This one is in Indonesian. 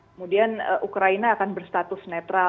kemudian ukraina akan berstatus netral